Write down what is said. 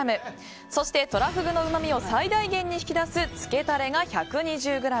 そしてトラフグのうまみを最大限に引き出す漬けタレが１２０ｇ。